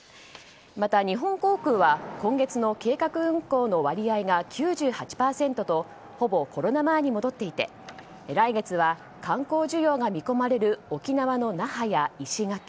また日本航空は今月の計画運航の割合が９８％とほぼコロナ前に戻っていて来月は観光需要が見込まれる沖縄の那覇や石垣